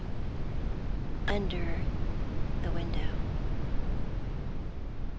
UNDER THE WINDOW.